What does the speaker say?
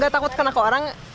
saya takut kena ke orang